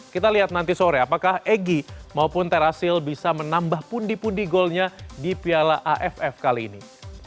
kita lihat nanti sore apakah egy maupun terasil bisa menambah pundi pundi golnya di piala aff kali ini